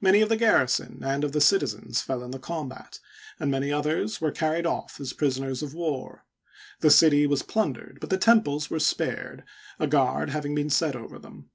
Many of the garrison and of the citizens fell in the combat, and many others were carried off as prisoners of war. The city was plun dered, but the temples were spared, a guard having been set over them.